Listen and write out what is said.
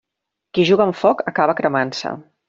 Qui juga amb foc acaba cremant-se.